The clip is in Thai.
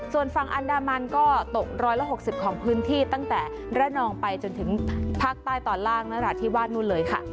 ส่วนฝั่งอันดามันก็ตกร้อยละหกสิบของพื้นที่ตั้งแต่แร่นองไปจนถึงภาคใต้ต่อล่างนะหลักที่ว่านนู่นเลยค่ะ